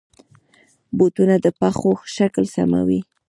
بوټونه د پښو شکل سموي.